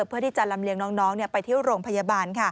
เพื่อที่จะลำเลียงน้องไปที่โรงพยาบาล